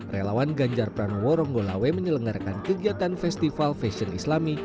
relawan ganjar pranowo ronggolawe menyelenggarakan kegiatan festival fashion islami